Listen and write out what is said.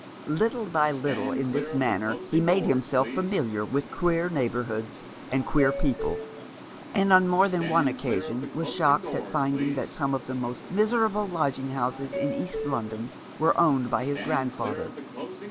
Little by little in this manner he made himself familiar with queer neighbourhoods and queer people, and on more than one occasion was 342 Tlie Man behind the Mask. shocked at finding that some of the most miserable lodging houses in East London were owned by his grandfather.